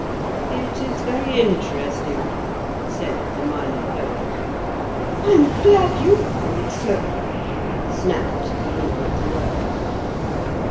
"It is very interesting," said the Minor Poet. "I am glad you find it so!" snapped the Woman of the World.